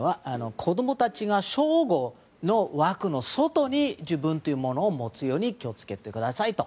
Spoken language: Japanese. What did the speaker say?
子供たちが称号の枠の外に自分というものを持つように気を付けてくださいと。